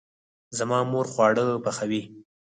زما مور خواړه پخوي